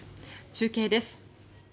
中継です。